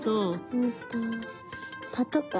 うんとパトカー？